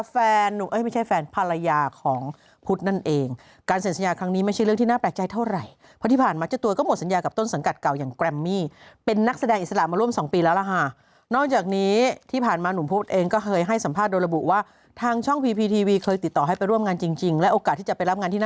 แฟนเอ้ยไม่ใช่แฟนภรรยาของพุธนั่นเองการเซ็นสัญญาครั้งนี้ไม่ใช่เรื่องที่น่าแปลกใจเท่าไหร่เพราะที่ผ่านมาเจ้าตัวก็หมดสัญญากับต้นสังกัดเก่าอย่างแกรมมี่เป็นนักแสดงอิสระมาร่วม๒ปีแล้วละฮะนอกจากนี้ที่ผ่านมาหนุ่มพุธเองก็เคยให้สัมภาษณ์โดยระบุว่าทางช่องพีพีทีวีเคยติดต่